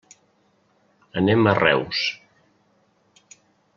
Anem a Reus.